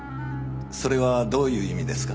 それはどういう意味ですか？